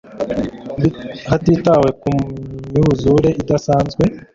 hatitawe ku myuzure idasanzwe